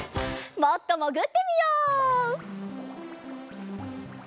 もっともぐってみよう！